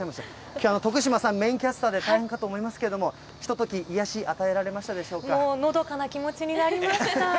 きょうは徳島さん、メインキャスターで大変かと思いますけれども、ひととき、癒やし、のどかな気持ちになりました。